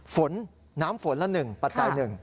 ฝนน้ำฝนละ๑ปัจจัย๑